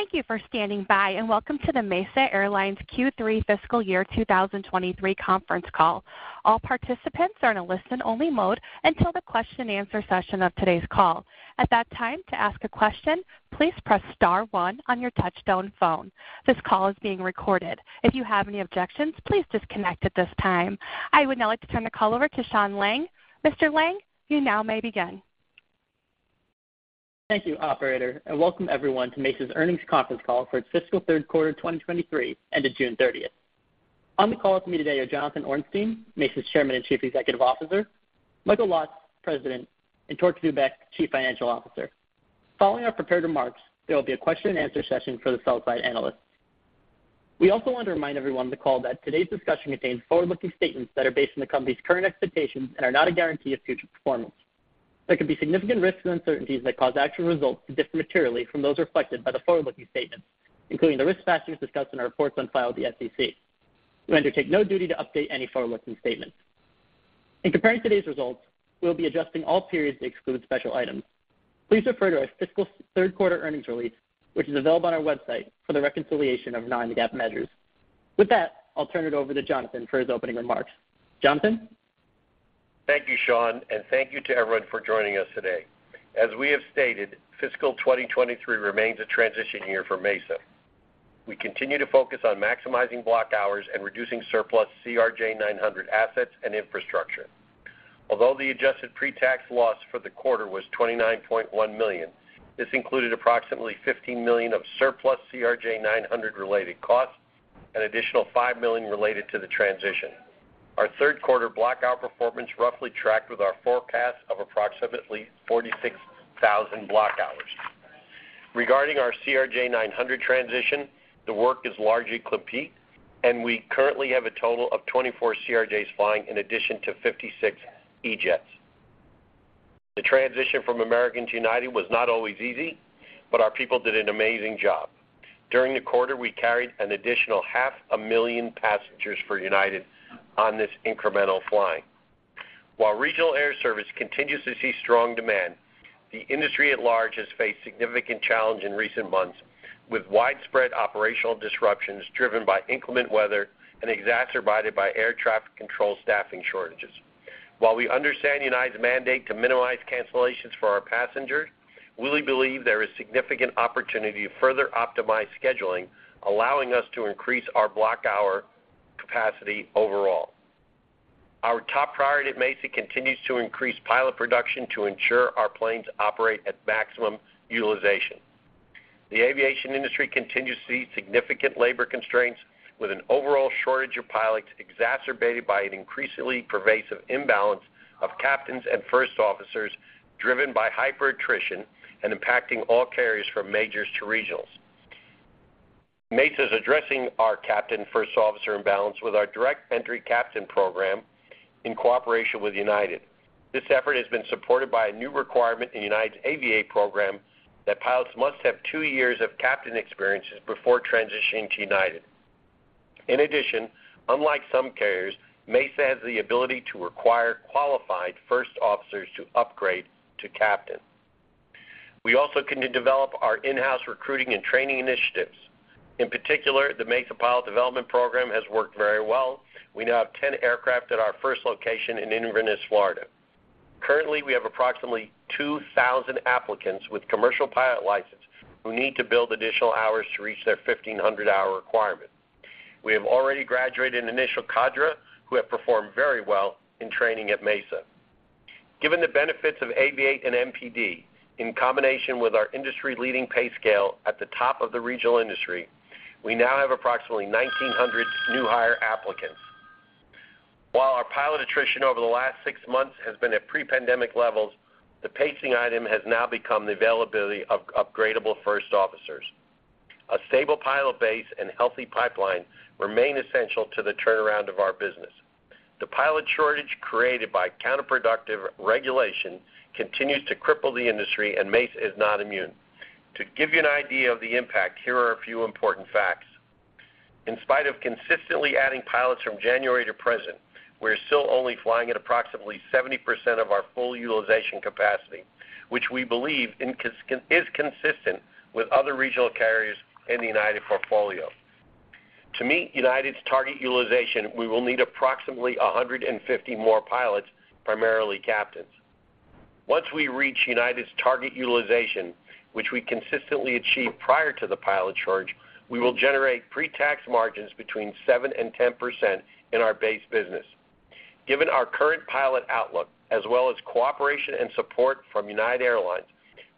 Thank you for standing by, and welcome to the Mesa Airlines Q3 Fiscal Year 2023 conference call. All participants are in a listen-only mode until the question-and-answer session of today's call. At that time, to ask a question, please press star 1 on your touchtone phone. This call is being recorded. If you have any objections, please disconnect at this time. I would now like to turn the call over to Sean Lange. Mr. Lange, you now may begin. Thank you, operator, and welcome everyone to Mesa's earnings conference call for its fiscal third quarter, 2023, ended June 30th. On the call with me today are Jonathan Ornstein, Mesa's Chairman and Chief Executive Officer, Michael Lotz, President, and Torc Zubeck, Chief Financial Officer. Following our prepared remarks, there will be a question-and-answer session for the sell-side analysts. We also want to remind everyone on the call that today's discussion contains forward-looking statements that are based on the company's current expectations and are not a guarantee of future performance. There could be significant risks and uncertainties that cause actual results to differ materially from those reflected by the forward-looking statements, including the risk factors discussed in our reports on file with the SEC. We undertake no duty to update any forward-looking statements. In comparing today's results, we'll be adjusting all periods to exclude special items. Please refer to our fiscal third-quarter earnings release, which is available on our website, for the reconciliation of non-GAAP measures. With that, I'll turn it over to Jonathan for his opening remarks. Jonathan? Thank you, Sean, and thank you to everyone for joining us today. As we have stated, fiscal 2023 remains a transition year for Mesa. We continue to focus on maximizing block hours and reducing surplus CRJ900 assets and infrastructure. Although the adjusted pre-tax loss for the quarter was $29.1 million, this included approximately $15 million of surplus CRJ900 related costs and additional $5 million related to the transition. Our third quarter block hour performance roughly tracked with our forecast of approximately 46,000 block hours. Regarding our CRJ900 transition, the work is largely complete, and we currently have a total of 24 CRJs flying in addition to 56 E-jets. The transition from American to United was not always easy, our people did an amazing job. During the quarter, we carried an additional 500,000 passengers for United on this incremental flying. While regional air service continues to see strong demand, the industry at large has faced significant challenge in recent months, with widespread operational disruptions driven by inclement weather and exacerbated by air traffic control staffing shortages. While we understand United's mandate to minimize cancellations for our passengers, we believe there is significant opportunity to further optimize scheduling, allowing us to increase our block hour capacity overall. Our top priority at Mesa continues to increase pilot production to ensure our planes operate at maximum utilization. The aviation industry continues to see significant labor constraints, with an overall shortage of pilots exacerbated by an increasingly pervasive imbalance of captains and first officers, driven by hyper attrition and impacting all carriers from majors to regionals. Mesa is addressing our captain/first officer imbalance with our Direct Entry Captain program in cooperation with United. This effort has been supported by a new requirement in United's Aviate program that pilots must have 2 years of captain experiences before transitioning to United. In addition, unlike some carriers, Mesa has the ability to require qualified first officers to upgrade to captain. We also continue to develop our in-house recruiting and training initiatives. In particular, the Mesa Pilot Development program has worked very well. We now have 10 aircraft at our first location in Inverness, Florida. Currently, we have approximately 2,000 applicants with commercial pilot license who need to build additional hours to reach their 1,500-hour requirement. We have already graduated an initial cadre who have performed very well in training at Mesa. Given the benefits of Aviate and MPD, in combination with our industry-leading pay scale at the top of the regional industry, we now have approximately 1,900 new hire applicants. While our pilot attrition over the last six months has been at pre-pandemic levels, the pacing item has now become the availability of upgradable first officers. A stable pilot base and healthy pipeline remain essential to the turnaround of our business. The pilot shortage created by counterproductive regulation continues to cripple the industry, and Mesa is not immune. To give you an idea of the impact, here are a few important facts. In spite of consistently adding pilots from January to present, we're still only flying at approximately 70% of our full utilization capacity, which we believe is consistent with other regional carriers in the United portfolio. To meet United's target utilization, we will need approximately 150 more pilots, primarily captains. Once we reach United's target utilization, which we consistently achieved prior to the pilot shortage, we will generate pre-tax margins between 7% and 10% in our base business. Given our current pilot outlook, as well as cooperation and support from United Airlines,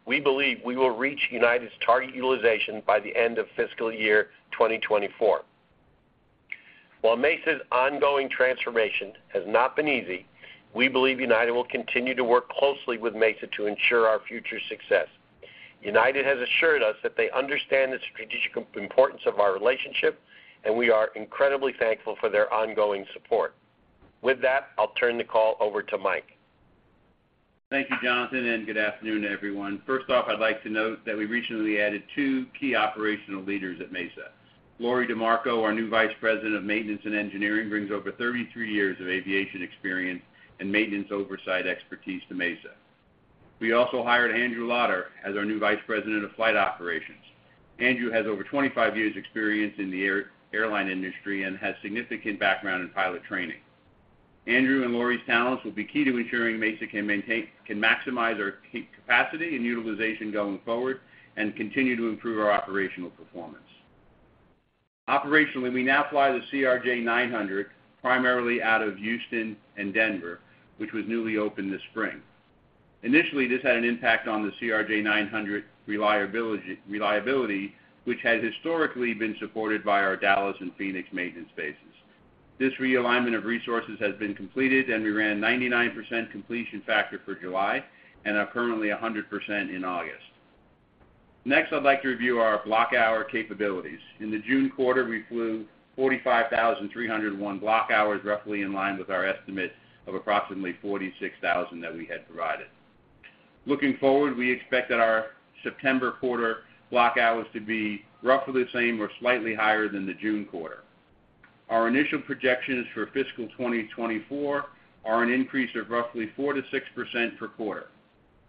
we believe we will reach United's target utilization by the end of fiscal year 2024. While Mesa's ongoing transformation has not been easy, we believe United will continue to work closely with Mesa to ensure our future success. United has assured us that they understand the strategic importance of our relationship, and we are incredibly thankful for their ongoing support. With that, I'll turn the call over to Mike. Thank you, Jonathan. Good afternoon, everyone. First off, I'd like to note that we recently added two key operational leaders at Mesa.... Lori DiMarco, our new Vice President of Maintenance and Engineering, brings over 33 years of aviation experience and maintenance oversight expertise to Mesa. We also hired Andrew Lotter as our new Vice President of Flight Operations. Andrew has over 25 years experience in the air, airline industry and has significant background in pilot training. Andrew and Lori's talents will be key to ensuring Mesa can maximize our capacity and utilization going forward, and continue to improve our operational performance. Operationally, we now fly the CRJ-900, primarily out of Houston and Denver, which was newly opened this spring. Initially, this had an impact on the CRJ-900 reliability, which has historically been supported by our Dallas and Phoenix maintenance bases. This realignment of resources has been completed, and we ran 99% completion factor for July and are currently 100% in August. Next, I'd like to review our block hour capabilities. In the June quarter, we flew 45,301 block hours, roughly in line with our estimate of approximately 46,000 that we had provided. Looking forward, we expect that our September quarter block hours to be roughly the same or slightly higher than the June quarter. Our initial projections for fiscal 2024 are an increase of roughly 4%-6% per quarter.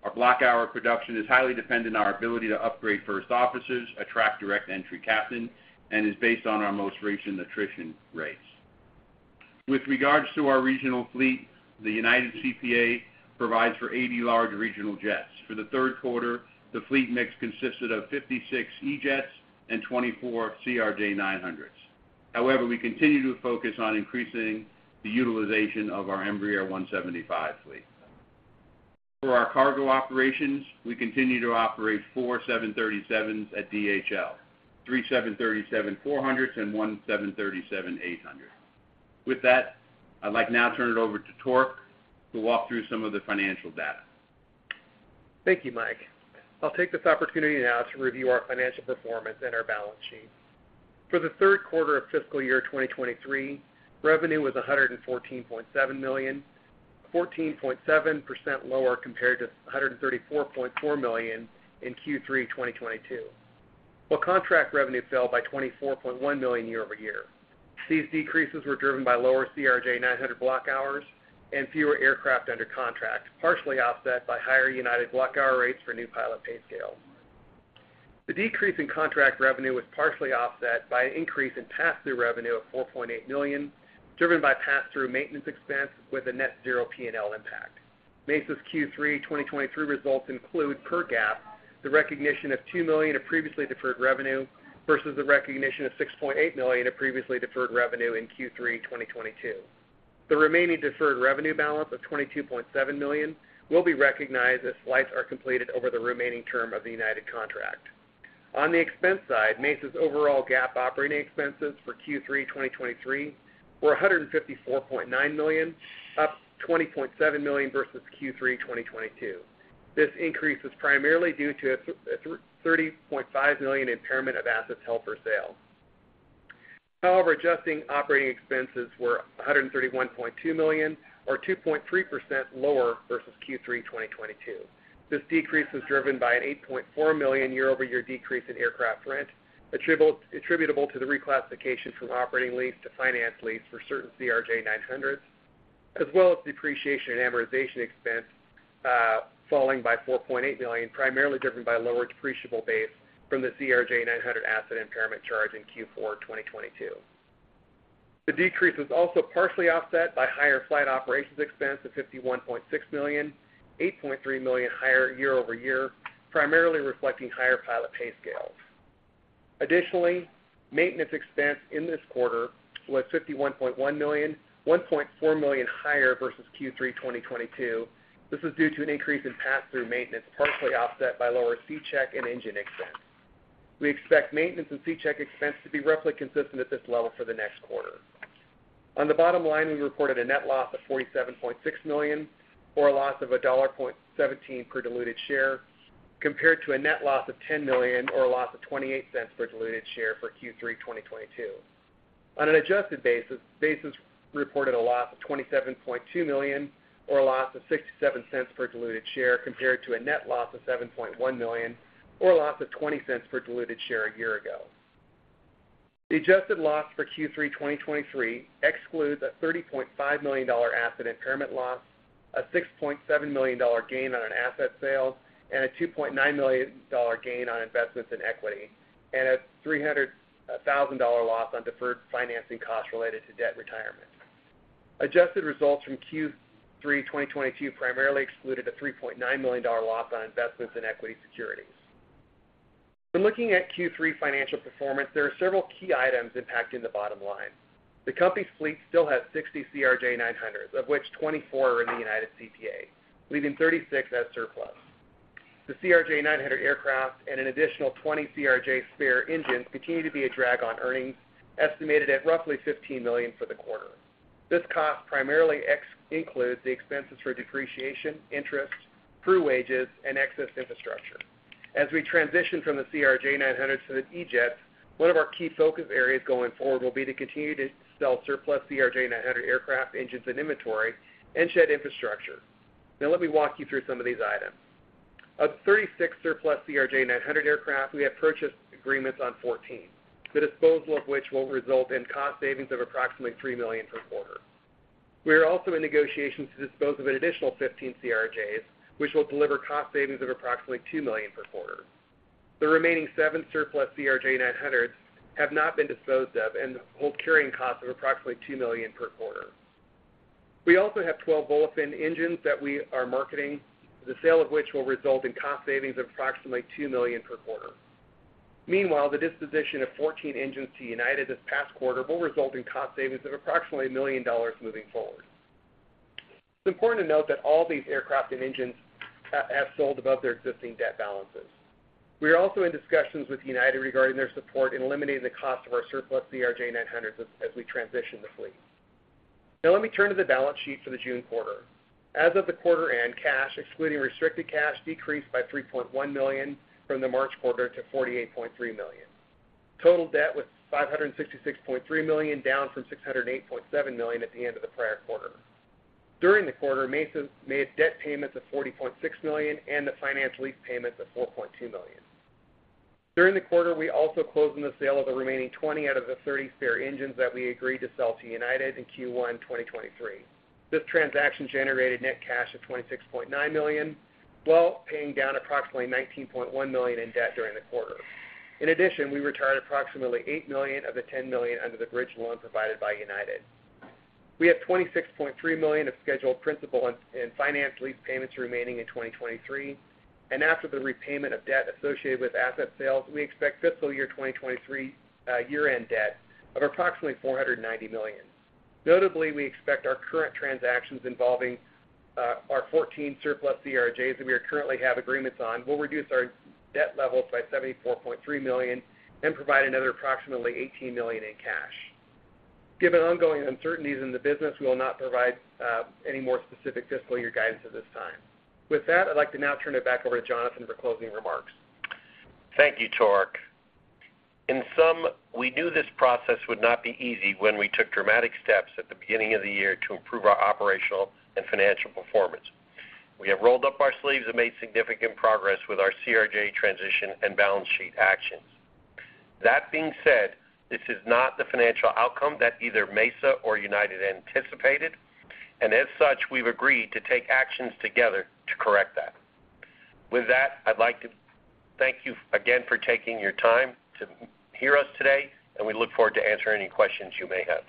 Our block hour production is highly dependent on our ability to upgrade first officers, attract Direct Entry Captains, and is based on our most recent attrition rates. With regards to our regional fleet, the United CPA provides for 80 large regional jets. For the 3rd quarter, the fleet mix consisted of 56 E-jets and 24 CRJ-900s. We continue to focus on increasing the utilization of our Embraer E175 fleet. For our cargo operations, we continue to operate 4 737s at DHL, 3 737-400s and 1 737-800. With that, I'd like now turn it over to Torc to walk through some of the financial data. Thank you, Mike. I'll take this opportunity now to review our financial performance and our balance sheet. For the third quarter of fiscal year 2023, revenue was $114.7 million, 14.7% lower compared to $134.4 million in Q3 2022, while contract revenue fell by $24.1 million year-over-year. These decreases were driven by lower CRJ-900 block hours and fewer aircraft under contract, partially offset by higher United block hour rates for new pilot pay scales. The decrease in contract revenue was partially offset by an increase in pass-through revenue of $4.8 million, driven by pass-through maintenance expense with a net zero PNL impact. Mesa's Q3 2023 results include, per GAAP, the recognition of $2 million of previously deferred revenue, versus the recognition of $6.8 million of previously deferred revenue in Q3 2022. The remaining deferred revenue balance of $22.7 million will be recognized as flights are completed over the remaining term of the United contract. On the expense side, Mesa's overall GAAP operating expenses for Q3 2023 were $154.9 million, up $20.7 million versus Q3 2022. This increase was primarily due to a $30.5 million impairment of assets held for sale. However, adjusting operating expenses were $131.2 million, or 2.3% lower versus Q3 2022. This decrease was driven by an $8.4 million year-over-year decrease in aircraft rent, attributable to the reclassification from operating lease to finance lease for certain CRJ-900s, as well as depreciation and amortization expense, falling by $4.8 million, primarily driven by a lower depreciable base from the CRJ-900 asset impairment charge in Q4 2022. The decrease was also partially offset by higher flight operations expense of $51.6 million, $8.3 million higher year-over-year, primarily reflecting higher pilot pay scales. Additionally, maintenance expense in this quarter was $51.1 million, $1.4 million higher versus Q3 2022. This is due to an increase in pass-through maintenance, partially offset by lower C-check and engine expense. We expect maintenance and C-check expense to be roughly consistent at this level for the next quarter. On the bottom line, we reported a net loss of $47.6 million, or a loss of $1.17 per diluted share, compared to a net loss of $10 million, or a loss of $0.28 per diluted share for Q3 2022. On an adjusted basis, Mesa's reported a loss of $27.2 million, or a loss of $0.67 per diluted share, compared to a net loss of $7.1 million, or a loss of $0.20 per diluted share a year ago. The adjusted loss for Q3 2023 excludes a $30.5 million asset impairment loss, a $6.7 million gain on an asset sale, and a $2.9 million gain on investments in equity, and a $300,000 loss on deferred financing costs related to debt retirement. Adjusted results from Q3 2022 primarily excluded a $3.9 million loss on investments in equity securities. When looking at Q3 financial performance, there are several key items impacting the bottom line. The company's fleet still has 60 CRJ-900s, of which 24 are in the United CPA, leaving 36 as surplus. The CRJ-900 aircraft and an additional 20 CRJ spare engines continue to be a drag on earnings, estimated at roughly $15 million for the quarter. This cost primarily includes the expenses for depreciation, interest, crew wages, and excess infrastructure. As we transition from the CRJ-900 to the E-jets, one of our key focus areas going forward will be to continue to sell surplus CRJ-900 aircraft, engines, and inventory, and shed infrastructure. Let me walk you through some of these items.... Of 36 surplus CRJ-900 aircraft, we have purchase agreements on 14, the disposal of which will result in cost savings of approximately $3 million per quarter. We are also in negotiations to dispose of an additional 15 CRJs, which will deliver cost savings of approximately $2 million per quarter. The remaining seven surplus CRJ-900s have not been disposed of and hold carrying costs of approximately $2 million per quarter. We also have 12 offline engines that we are marketing, the sale of which will result in cost savings of approximately $2 million per quarter. Meanwhile, the disposition of 14 engines to United this past quarter will result in cost savings of approximately $1 million moving forward. It's important to note that all these aircraft and engines have sold above their existing debt balances. We are also in discussions with United regarding their support in eliminating the cost of our surplus CRJ-900s as we transition the fleet. Now let me turn to the balance sheet for the June quarter. As of the quarter end, cash, excluding restricted cash, decreased by $3.1 million from the March quarter to $48.3 million. Total debt was $566.3 million, down from $608.7 million at the end of the prior quarter. During the quarter, Mesa made debt payments of $40.6 million and the finance lease payments of $4.2 million. During the quarter, we also closed on the sale of the remaining 20 out of the 30 spare engines that we agreed to sell to United in Q1 2023. This transaction generated net cash of $26.9 million, while paying down approximately $19.1 million in debt during the quarter. In addition, we retired approximately $8 million of the $10 million under the bridge loan provided by United. We have $26.3 million of scheduled principal and finance lease payments remaining in 2023, and after the repayment of debt associated with asset sales, we expect fiscal year 2023 year-end debt of approximately $490 million. Notably, we expect our current transactions involving our 14 surplus CRJs that we are currently have agreements on, will reduce our debt levels by $74.3 million and provide another approximately $18 million in cash. Given ongoing uncertainties in the business, we will not provide any more specific fiscal year guidance at this time. With that, I'd like to now turn it back over to Jonathan for closing remarks. Thank you, Torc. In sum, we knew this process would not be easy when we took dramatic steps at the beginning of the year to improve our operational and financial performance. We have rolled up our sleeves and made significant progress with our CRJ transition and balance sheet actions. That being said, this is not the financial outcome that either Mesa or United anticipated, and as such, we've agreed to take actions together to correct that. With that, I'd like to thank you again for taking your time to hear us today, and we look forward to answering any questions you may have.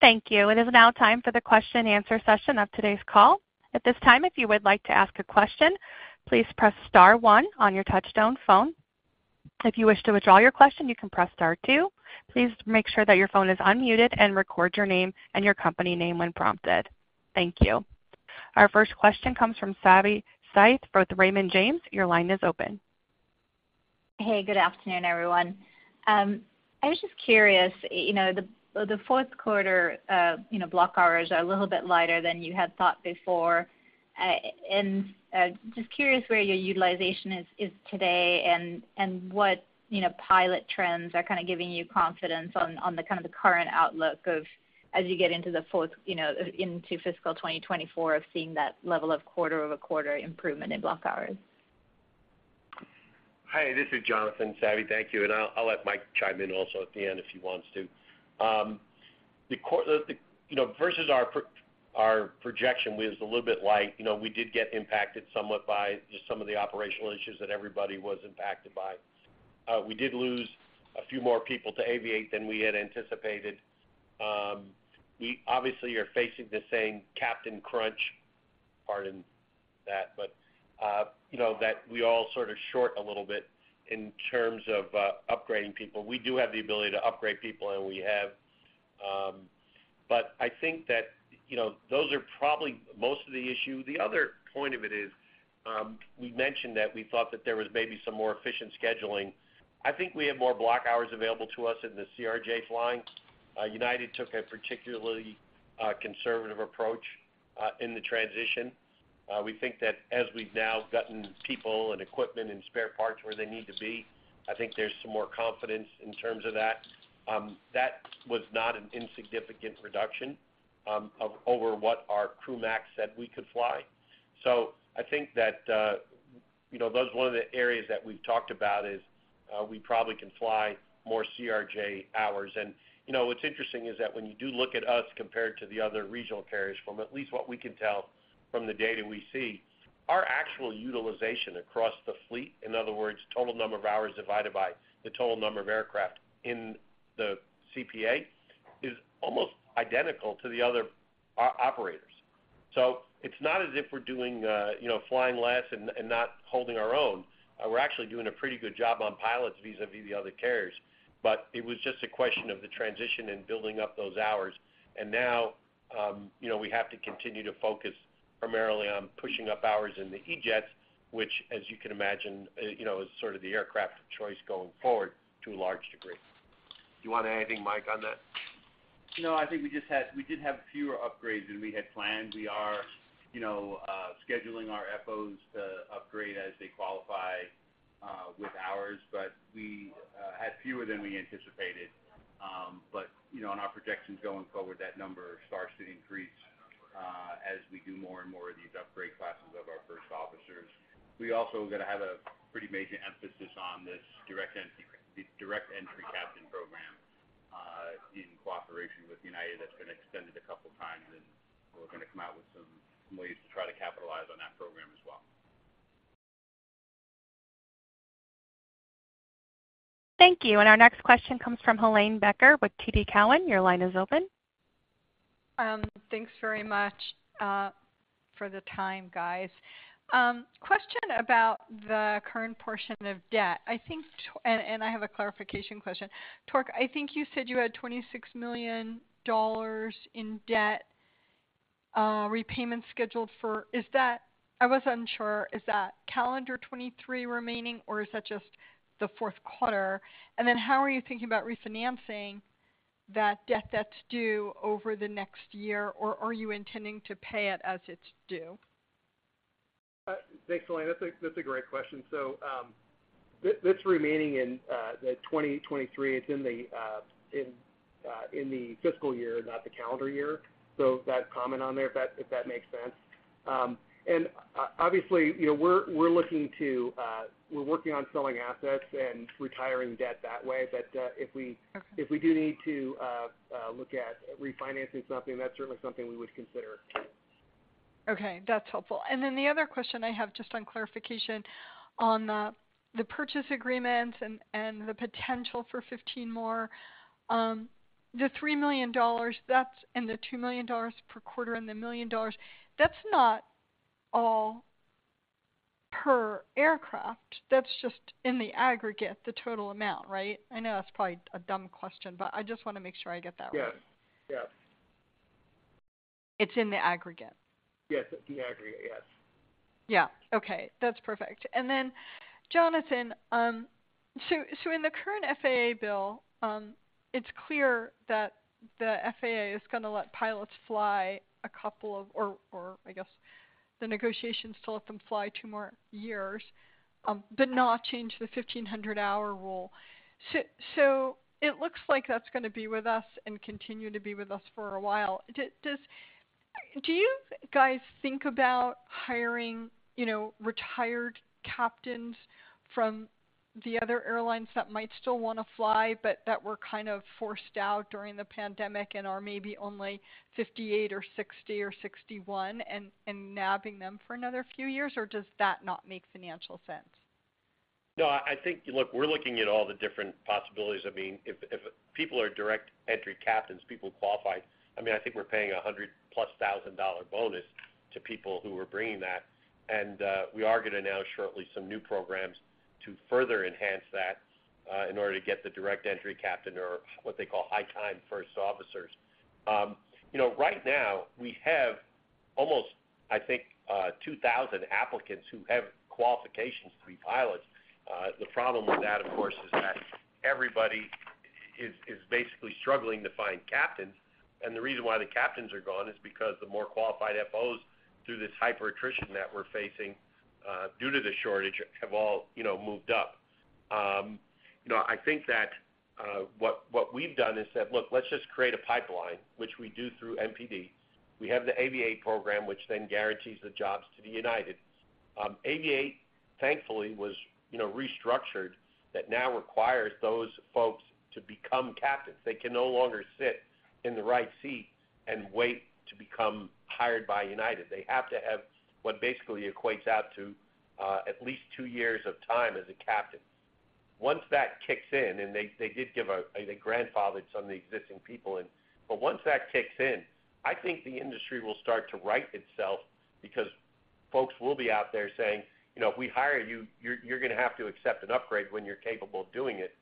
Thank you. It is now time for the question-and-answer session of today's call. At this time, if you would like to ask a question, please press star one on your touch-tone phone. If you wish to withdraw your question, you can press star two. Please make sure that your phone is unmuted and record your name and your company name when prompted. Thank you. Our first question comes from Savanthi Syth for the Raymond James. Your line is open. Hey, good afternoon, everyone. I was just curious, you know, the, the fourth quarter, you know, block hours are a little bit lighter than you had thought before. Just curious where your utilization is today and what, you know, pilot trends are kind of giving you confidence on the kind of the current outlook of as you get into the fourth, you know, into fiscal 2024, of seeing that level of quarter-over-quarter improvement in block hours? Hi, this is Jonathan. Savi, thank you, and I'll, I'll let Mike chime in also at the end if he wants to. You know, versus our projection was a little bit light. You know, we did get impacted somewhat by just some of the operational issues that everybody was impacted by. We did lose a few more people to Aviate than we had anticipated. We obviously are facing the same captain crunch, pardon that, but, you know, that we all sort of short a little bit in terms of upgrading people. We do have the ability to upgrade people, and we have. I think that, you know, those are probably most of the issue. The other point of it is, we mentioned that we thought that there was maybe some more efficient scheduling. I think we have more block hours available to us in the CRJ flying. United took a particularly conservative approach in the transition. We think that as we've now gotten people and equipment and spare parts where they need to be, I think there's some more confidence in terms of that. That was not an insignificant reduction of over what our crew max said we could fly. I think that, you know, that's one of the areas that we've talked about is, we probably can fly more CRJ hours. You know, what's interesting is that when you do look at us compared to the other regional carriers, from at least what we can tell from the data we see, our actual utilization across the fleet, in other words, total number of hours divided by the total number of aircraft in the CPA, is almost identical to the other operators. It's not as if we're doing, you know, flying less and, and not holding our own. We're actually doing a pretty good job on pilots vis-a-vis the other carriers, but it was just a question of the transition and building up those hours. Now, you know, we have to continue to focus primarily on pushing up hours in the E-jets, which, as you can imagine, you know, is sort of the aircraft of choice going forward to a large degree. Do you want to add anything, Mike, on that? No, I think we just had fewer upgrades than we had planned. We are, you know, scheduling our FOs to upgrade as they qualify.... with ours, but we had fewer than we anticipated. You know, in our projections going forward, that number starts to increase as we do more and more of these upgrade classes of our First Officers. We also are going to have a pretty major emphasis on this Direct Entry, the Direct Entry Captain program, in cooperation with United. That's been extended a couple of times, and we're going to come out with some ways to try to capitalize on that program as well. Thank you. Our next question comes from Helane Becker with TD Cowen. Your line is open. Thanks very much for the time, guys. Question about the current portion of debt, I think. I have a clarification question. Torc, I think you said you had $26 million in debt repayment scheduled for... Is that, I was unsure, is that calendar 2023 remaining, or is that just the fourth quarter? How are you thinking about refinancing that debt that's due over the next year, or are you intending to pay it as it's due? Thanks, Helane. That's a great question. This remaining in the 2023, it's in the fiscal year, not the calendar year. That comment on there, if that makes sense. Obviously, you know, we're looking to, we're working on selling assets and retiring debt that way. If we- Okay. If we do need to, look at refinancing something, that's certainly something we would consider. Okay, that's helpful. The other question I have, just on clarification on the purchase agreements and, and the potential for 15 more. The $3 million, that's, and the $2 million per quarter and the $1 million, that's not all per aircraft, that's just in the aggregate, the total amount, right? I know that's probably a dumb question, but I just want to make sure I get that right. Yes. Yeah. It's in the aggregate? Yes, it's the aggregate. Yes. Yeah. Okay, that's perfect. Jonathan, so in the current FAA bill, it's clear that the FAA is going to let pilots fly a couple of, or I guess, the negotiations to let them fly two more years, but not change the 1,500-hour rule. So it looks like that's going to be with us and continue to be with us for a while. Do you guys think about hiring, you know, retired captains from the other airlines that might still want to fly, but that were kind of forced out during the pandemic and are maybe only 58 or 60 or 61, and, and nabbing them for another few years? Or does that not make financial sense? No, I think, look, we're looking at all the different possibilities. I mean, if, if people are Direct Entry Captains, people qualify. I mean, I think we're paying a $100,000+ bonus to people who are bringing that. We are going to announce shortly some new programs to further enhance that in order to get the Direct Entry Captain or what they call high-time First Officers. You know, right now, we have almost, I think, 2,000 applicants who have qualifications to be pilots. The problem with that, of course, is that everybody is, is basically struggling to find captains, and the reason why the captains are gone is because the more qualified FOs, through this hyper attrition that we're facing, due to the shortage, have all, you know, moved up. You know, I think that, what, what we've done is said, "Look, let's just create a pipeline," which we do through MPD. We have the Aviate program, which then guarantees the jobs to the United. Aviate, thankfully, was, you know, restructured, that now requires those folks to become captains. They can no longer sit in the right seat and wait to become hired by United. They have to have what basically equates out to, at least two years of time as a captain. Once that kicks in, and they, they did give a, they grandfathered some of the existing people in. Once that kicks in, I think the industry will start to right itself because folks will be out there saying, "You know, if we hire you, you're, you're going to have to accept an upgrade when you're capable of doing it."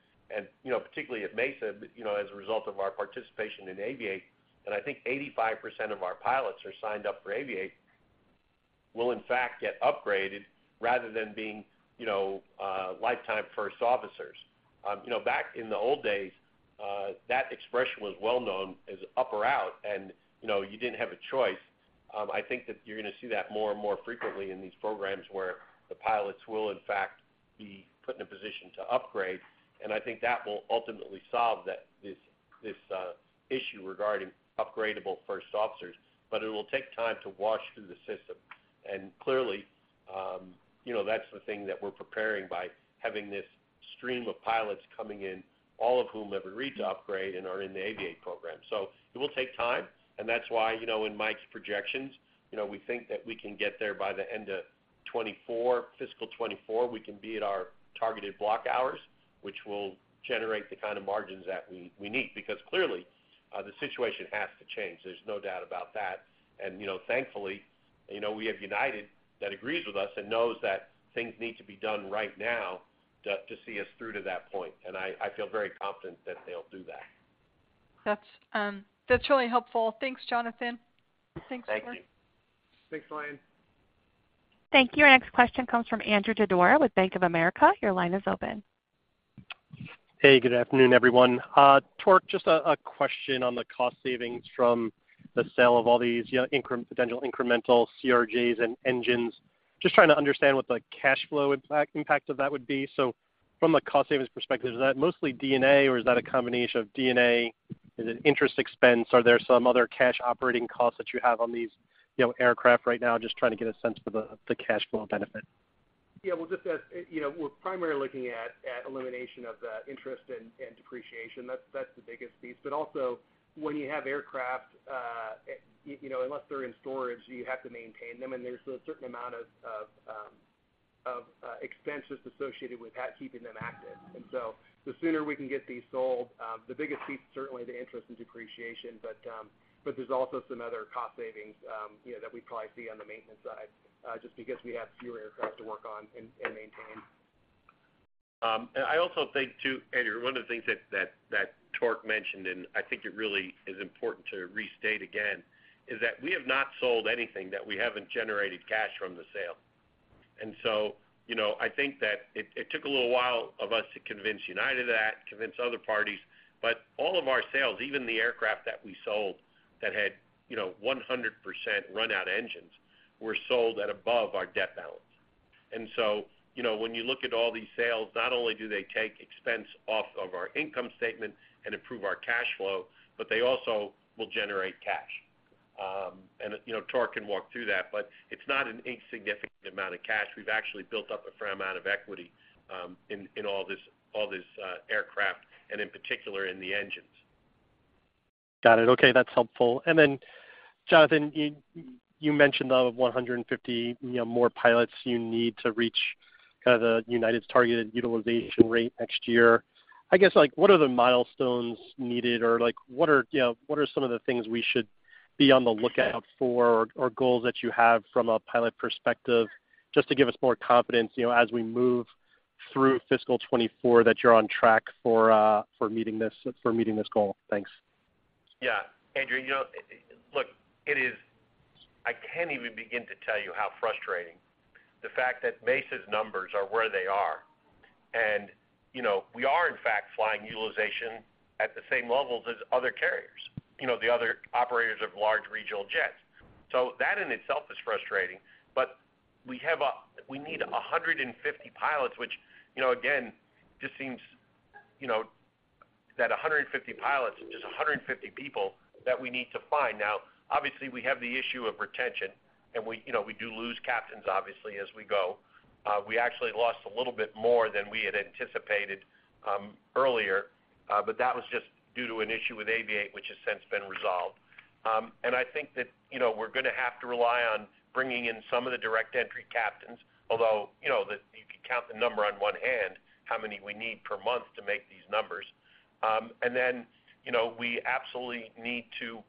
You know, particularly at Mesa, you know, as a result of our participation in Aviate, and I think 85% of our pilots are signed up for Aviate, will in fact get upgraded rather than being, you know, lifetime First Officers. You know, back in the old days, that expression was well known as up or out, and, you know, you didn't have a choice. I think that you're going to see that more and more frequently in these programs, where the pilots will, in fact, be put in a position to upgrade, and I think that will ultimately solve that, this, this issue regarding upgradable first officers. It will take time to wash through the system. Clearly, you know, that's the thing that we're preparing by having this stream of pilots coming in, all of whom have agreed to upgrade and are in the Aviate program. It will take time, and that's why, you know, in Mike's projections, you know, we think that we can get there by the end of 2024, fiscal 2024, we can be at our targeted block hours, which will generate the kind of margins that we, we need. Clearly, the situation has to change. There's no doubt about that. You know, thankfully, you know, we have United that agrees with us and knows that things need to be done right now to, to see us through to that point. I, I feel very confident that they'll do that. That's, that's really helpful. Thanks, Jonathan. Thanks, Torque. Thank you. Thanks, Helane. Thank you. Our next question comes from Andrew Didora with Bank of America. Your line is open. Hey, good afternoon, everyone. Torque, just a question on the cost savings from the sale of all these, you know, potential incremental CRJs and engines. Just trying to understand what the cash flow impact, impact of that would be. From a cost savings perspective, is that mostly DNA, or is that a combination of DNA? Is it interest expense? Are there some other cash operating costs that you have on these, you know, aircraft right now? Just trying to get a sense of the, the cash flow benefit. Well, just as you know, we're primarily looking at, at elimination of the interest and, and depreciation. That's, that's the biggest piece. Also, when you have aircraft, you know, unless they're in storage, you have to maintain them, and there's a certain amount of, of expenses associated with that, keeping them active. So the sooner we can get these sold, the biggest piece, certainly the interest and depreciation. There's also some other cost savings, you know, that we probably see on the maintenance side, just because we have fewer aircraft to work on and, and maintain. I also think, too, Andrew, one of the things that Tork mentioned, and I think it really is important to restate again, is that we have not sold anything that we haven't generated cash from the sale. You know, I think that it, it took a little while of us to convince United that, convince other parties, but all of our sales, even the aircraft that we sold that had, you know, 100% run-out engines, were sold at above our debt balance. You know, when you look at all these sales, not only do they take expense off of our income statement and improve our cash flow, but they also will generate cash. You know, Tork can walk through that, but it's not an insignificant amount of cash. We've actually built up a fair amount of equity, in, in all this, all this, aircraft, and in particular in the engines. Got it. Okay, that's helpful. Jonathan, you mentioned the 150, you know, more pilots you need to reach kind of the United's targeted utilization rate next year. I guess, like, what are the milestones needed? Or, like, what are, you know, what are some of the things we should be on the lookout for or, or goals that you have from a pilot perspective, just to give us more confidence, you know, as we move through fiscal 2024, that you're on track for, for meeting this, for meeting this goal? Thanks. Yeah, Andrew, you know, look, it is. I can't even begin to tell you how frustrating the fact that Mesa's numbers are where they are. You know, we are, in fact, flying utilization at the same levels as other carriers, you know, the other operators of large regional jets. That in itself is frustrating. We need 150 pilots, which, you know, again, just seems, you know, that 150 pilots is 150 people that we need to find. Now, obviously, we have the issue of retention, and we, you know, we do lose captains, obviously, as we go. We actually lost a little bit more than we had anticipated earlier, that was just due to an issue with Aviate, which has since been resolved. I think that, you know, we're going to have to rely on bringing in some of the Direct Entry Captains, although, you know, that you could count the number on 1 hand, how many we need per month to make these numbers. Then, you know, we absolutely need to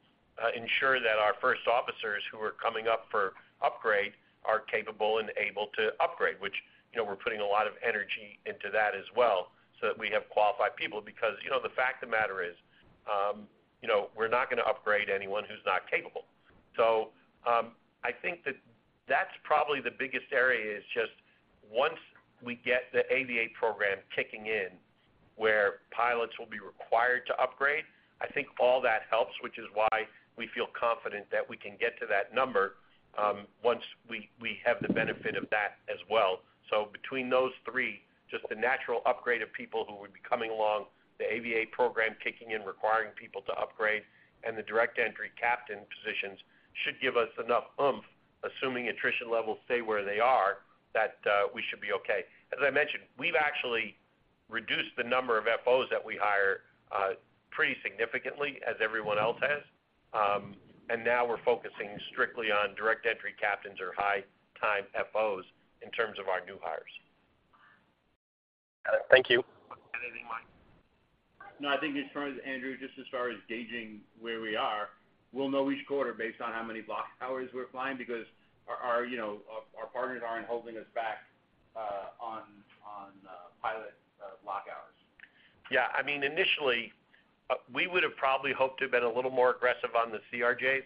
ensure that our First Officers who are coming up for upgrade are capable and able to upgrade, which, you know, we're putting a lot of energy into that as well, so that we have qualified people. Because, you know, the fact of the matter is, you know, we're not going to upgrade anyone who's not capable. I think that that's probably the biggest area, is just once we get the Aviate program kicking in, where pilots will be required to upgrade, I think all that helps, which is why we feel confident that we can get to that number, once we, we have the benefit of that as well. Between those three, just the natural upgrade of people who would be coming along, the Aviate program kicking in, requiring people to upgrade, and the Direct Entry Captain positions should give us enough oomph, assuming attrition levels stay where they are, that we should be okay. I mentioned, we've actually reduced the number of FOs that we hire, pretty significantly as everyone else has, and now we're focusing strictly on Direct Entry Captains or high-time FOs in terms of our new hires. Got it. Thank you. Add anything, Mike? No, I think as far as, Andrew Didora, just as far as gauging where we are, we'll know each quarter based on how many block hours we're flying, because our, our, you know, our, our partners aren't holding us back, on, on, pilot, block hours. Yeah, I mean, initially, we would have probably hoped to have been a little more aggressive on the CRJs,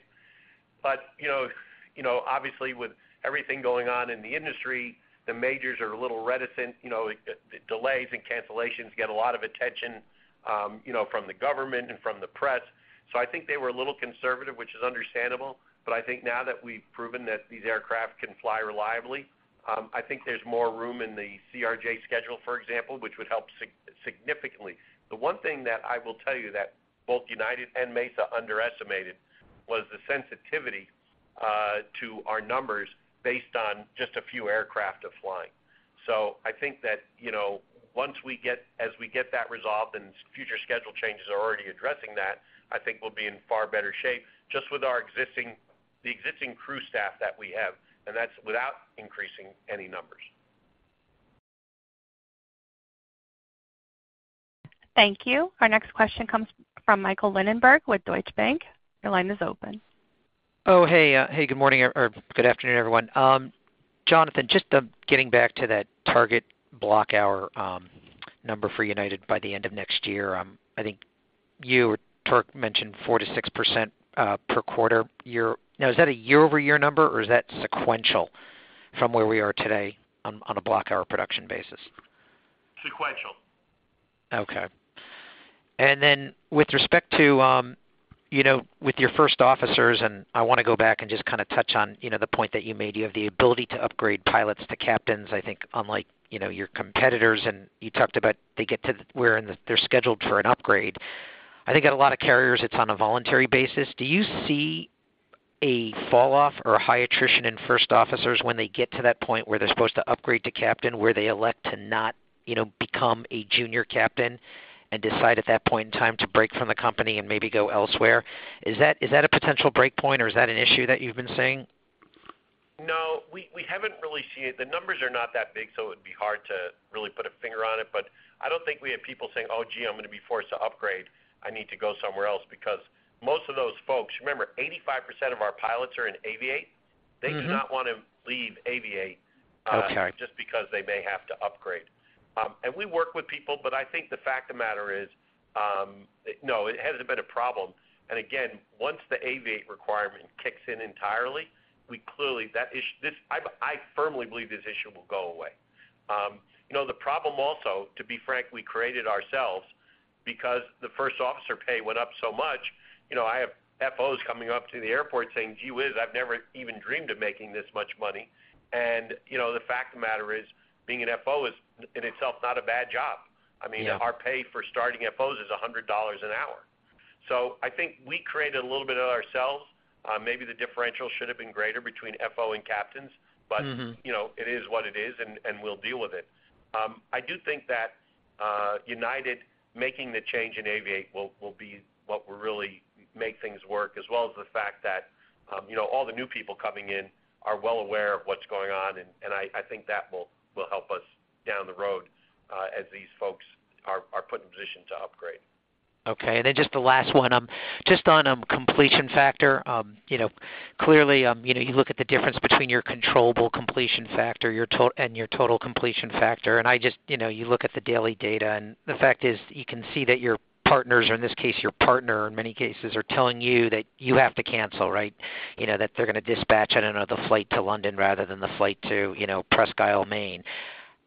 but, you know, you know, obviously, with everything going on in the industry, the majors are a little reticent. You know, delays and cancellations get a lot of attention, you know, from the government and from the press. I think they were a little conservative, which is understandable, but I think now that we've proven that these aircraft can fly reliably, I think there's more room in the CRJ schedule, for example, which would help significantly. The one thing that I will tell you that both United and Mesa underestimated was the sensitivity to our numbers based on just a few aircraft of flying. I think that, you know, as we get that resolved and future schedule changes are already addressing that, I think we'll be in far better shape just with the existing crew staff that we have, and that's without increasing any numbers. Thank you. Our next question comes from Michael Linenberg with Deutsche Bank. Your line is open. Hey, good morning, or good afternoon, everyone. Jonathan, just getting back to that target block hour number for United by the end of next year, I think you or Turk mentioned 4%-6% per quarter year. Now, is that a year-over-year number, or is that sequential from where we are today on a block hour production basis? Sequential. Okay. With respect to, you know, with your First Officers, I want to go back and just kind of touch on, you know, the point that you made, you have the ability to upgrade pilots to Captains, I think, unlike, you know, your competitors, and you talked about they get to where in they're scheduled for an upgrade. I think at a lot of carriers, it's on a voluntary basis. Do you see a falloff or a high attrition in First Officers when they get to that point where they're supposed to upgrade to Captain, where they elect to not, you know, become a junior Captain and decide at that point in time to break from the company and maybe go elsewhere? Is that, is that a potential breakpoint, or is that an issue that you've been seeing? No, we, we haven't really seen it. The numbers are not that big, so it'd be hard to really put a finger on it. I don't think we have people saying, "Oh, gee, I'm going to be forced to upgrade. I need to go somewhere else." Because most of those folks, remember, 85% of our pilots are in Aviate. Mm-hmm. They do not want to leave Aviate. Okay Just because they may have to upgrade. We work with people, but I think the fact of the matter is, no, it hasn't been a problem. Again, once the Aviate requirement kicks in entirely, we clearly, I firmly believe this issue will go away. You know, the problem also, to be frank, we created ourselves because the first officer pay went up so much. You know, I have FOs coming up to the airport saying, "Gee whiz, I've never even dreamed of making this much money." You know, the fact of the matter is, being an FO is, in itself, not a bad job. Yeah. I mean, our pay for starting FOs is $100 an hour. I think we created a little bit of it ourselves. Maybe the differential should have been greater between FO and captains. Mm-hmm. You know, it is what it is, and, and we'll deal with it. I do think that United making the change in Aviate will, will be what will really make things work, as well as the fact that, you know, all the new people coming in are well aware of what's going on, and, and I, I think that will, will help us down the road, as these folks are, are put in position to upgrade. Okay. Just the last one, just on completion factor. You know, clearly, you know, you look at the difference between your controllable completion factor, your and your total completion factor, and I just, you know, you look at the daily data, and the fact is, you can see that your partners, or in this case, your partner, in many cases, are telling you that you have to cancel, right? You know, that they're going to dispatch, I don't know, the flight to London rather than the flight to, you know, Presque Isle, Maine.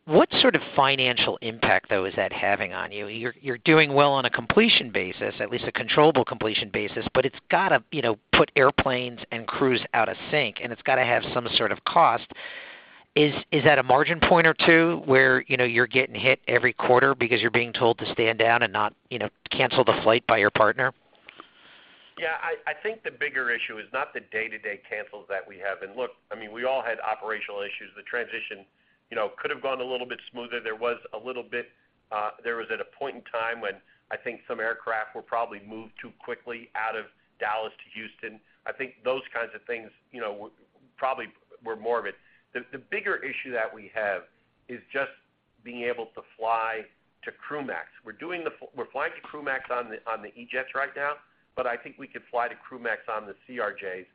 What sort of financial impact, though, is that having on you? You're, you're doing well on a completion basis, at least a controllable completion basis, but it's got to, you know, put airplanes and crews out of sync, and it's got to have some sort of cost. Is that a margin point or two where, you know, you're getting hit every quarter because you're being told to stand down and not, you know, cancel the flight by your partner? Yeah, I, I think the bigger issue is not the day-to-day cancels that we have. Look, I mean, we all had operational issues. The transition, you know, could have gone a little bit smoother. There was a little bit, there was at a point in time when I think some aircraft were probably moved too quickly out of Dallas to Houston. I think those kinds of things, you know, probably were more of it. The, the bigger issue that we have is just being able to fly to crew max. We're flying to crew max on the, on the E-jets right now, but I think we could fly to crew max on the CRJs.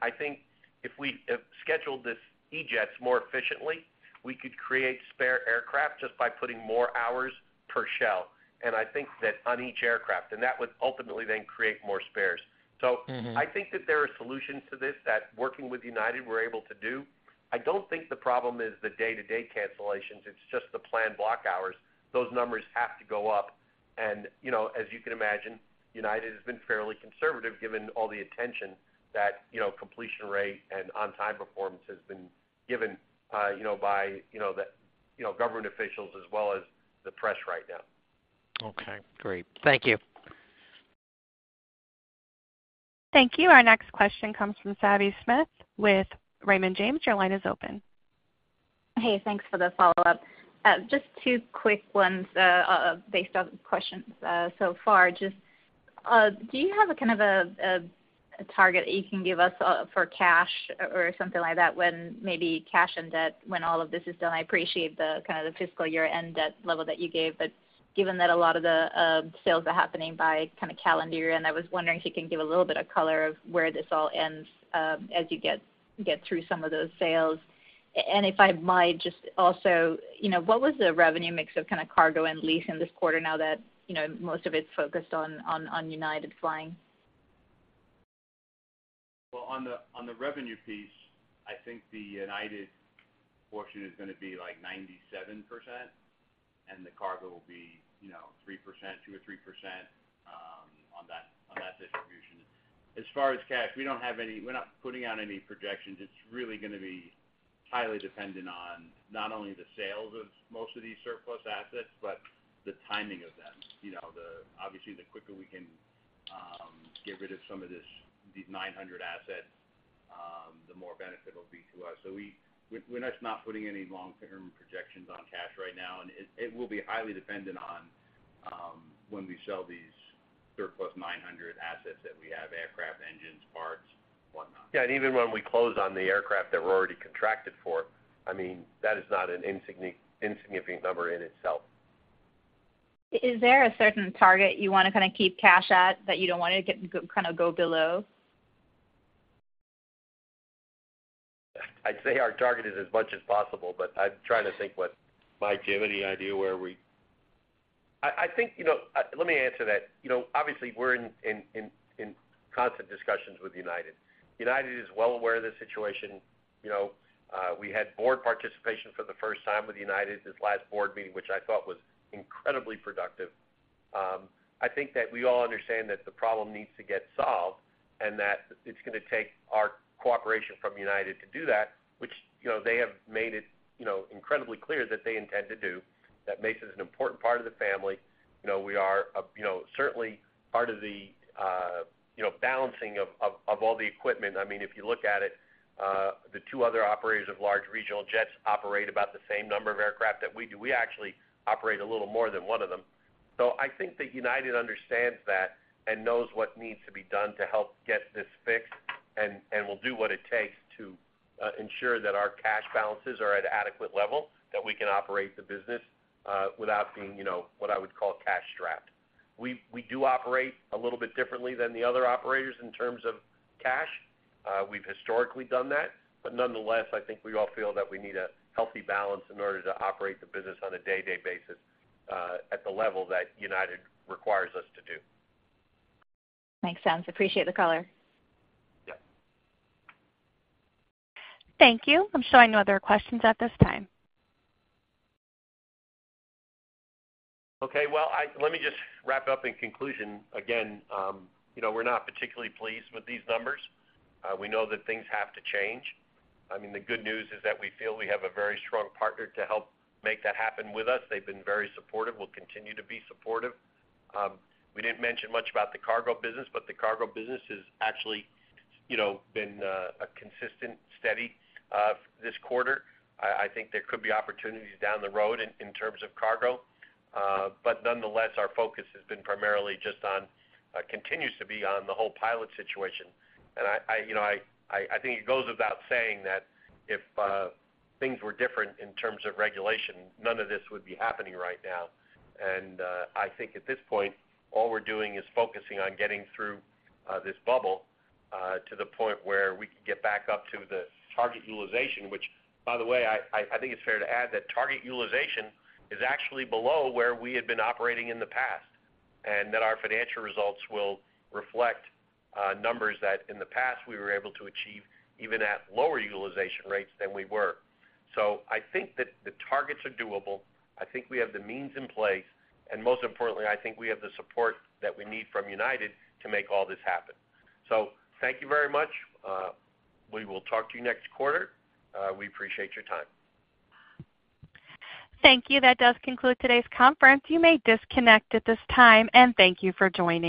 I think if we scheduled these E-jets more efficiently, we could create spare aircraft just by putting more hours per shell. I think that on each aircraft, and that would ultimately then create more spares. Mm-hmm. I think that there are solutions to this that working with United, we're able to do. I don't think the problem is the day-to-day cancellations, it's just the planned block hours. Those numbers have to go up. You know, as you can imagine, United has been fairly conservative, given all the attention that, you know, completion rate and on-time performance has been given, you know, by, you know, the, you know, government officials as well as the press right now. Okay, great. Thank you. Thank you. Our next question comes from Savanthi Syth with Raymond James. Your line is open. Hey, thanks for the follow-up. Just two quick ones, based on questions so far. Just, do you have a kind of a target that you can give us for cash or something like that, when maybe cash and debt, when all of this is done? I appreciate the kind of the fiscal year-end debt level that you gave, but given that a lot of the sales are happening by kind of calendar year, I was wondering if you can give a little bit of color of where this all ends as you get, get through some of those sales. If I might, just also, you know, what was the revenue mix of kind of cargo and lease in this quarter now that, you know, most of it's focused on United flying? Well, on the, on the revenue piece, I think the United portion is going to be, like, 97%, and the cargo will be, you know, 3%, 2% or 3%, on that, on that distribution. As far as cash, we don't have any we're not putting out any projections. It's really going to be highly dependent on not only the sales of most of these surplus assets, but the timing of them. You know, obviously, the quicker we can get rid of some of this, these 900 assets, the more benefit it'll be to us. We, we're just not putting any long-term projections on cash right now, and it, it will be highly dependent on when we sell these surplus 900 assets that we have, aircraft, engines, parts, whatnot. Yeah, even when we close on the aircraft that we're already contracted for, I mean, that is not an insignificant number in itself. Is there a certain target you want to kind of keep cash at, that you don't want to kind of go below? ... I'd say our target is as much as possible, but I'm trying to think what- Mike, do you have any idea where we? I, I think, you know, let me answer that. You know, obviously, we're in, in, in, in constant discussions with United. United is well aware of the situation. You know, we had board participation for the first time with United, this last board meeting, which I thought was incredibly productive. I think that we all understand that the problem needs to get solved, and that it's gonna take our cooperation from United to do that, which, you know, they have made it, you know, incredibly clear that they intend to do. That makes us an important part of the family. You know, we are, you know, certainly part of the, you know, balancing of, of, of all the equipment. I mean, if you look at it, the two other operators of large regional jets operate about the same number of aircraft that we do. We actually operate a little more than one of them. I think that United understands that and knows what needs to be done to help get this fixed, and, and will do what it takes to ensure that our cash balances are at an adequate level, that we can operate the business without being, you know, what I would call cash strapped. We, we do operate a little bit differently than the other operators in terms of cash. We've historically done that, but nonetheless, I think we all feel that we need a healthy balance in order to operate the business on a day-to-day basis at the level that United requires us to do. Makes sense. Appreciate the color. Yeah. Thank you. I'm showing no other questions at this time. Okay, well, I-- let me just wrap up in conclusion. Again, you know, we're not particularly pleased with these numbers. We know that things have to change. I mean, the good news is that we feel we have a very strong partner to help make that happen with us. They've been very supportive, will continue to be supportive. We didn't mention much about the cargo business, but the cargo business has actually, you know, been a consistent, steady this quarter. I, I think there could be opportunities down the road in, in terms of cargo. Nonetheless, our focus has been primarily just on, continues to be on the whole pilot situation. I, I, you know, I, I, I think it goes without saying that if things were different in terms of regulation, none of this would be happening right now. I think at this point, all we're doing is focusing on getting through this bubble to the point where we can get back up to the target utilization, which by the way, I, I, I think it's fair to add that target utilization is actually below where we had been operating in the past, and that our financial results will reflect numbers that in the past, we were able to achieve even at lower utilization rates than we were. I think that the targets are doable. I think we have the means in place, and most importantly, I think we have the support that we need from United to make all this happen. Thank you very much. We will talk to you next quarter. We appreciate your time. Thank you. That does conclude today's conference. You may disconnect at this time. Thank you for joining.